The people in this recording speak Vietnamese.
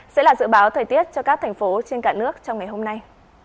sẽ là dự báo thời tiết cho các thành phố trên cả nước trong ngày hôm nay